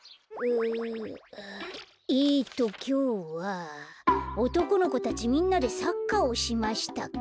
えっときょうは「おとこの子たちみんなでサッカーをしました」か。